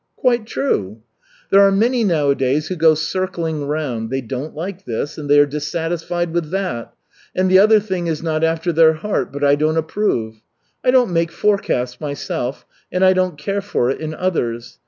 "Quite true." "There are many nowadays who go circling round. They don't like this and they are dissatisfied with that, and the other thing is not after their heart, but I don't approve. I don't make forecasts myself, and I don't care for it in others.